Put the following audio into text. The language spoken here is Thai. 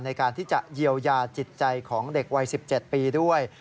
ในการที่จะเยียวยาจิตใจของเด็กวัย๑๗ปีด้วย